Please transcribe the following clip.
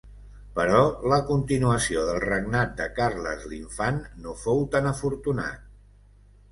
Però la continuació del regnat de Carles l'Infant no fou tan afortunat.